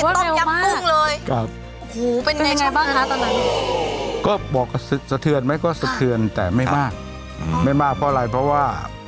เป็นยังไงบ้างธนาศาลก็บอกสะเทือนไหมก็สะเทือนแต่ไม่มากไม่มากเพราะอะไรเพราะว่า